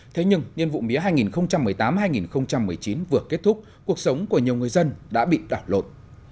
thế nhưng nhiệm vụ mía hai nghìn một mươi tám hai nghìn một mươi chín vừa kết thúc cuộc sống của nhiều người dân đã bị đảo lột